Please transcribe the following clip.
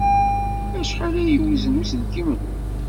Acḥal ay yewzen uselkim-nwen?